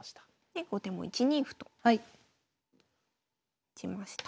で後手も１二歩と打ちました。